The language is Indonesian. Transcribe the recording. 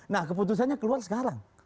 nah keputusannya keluar sekarang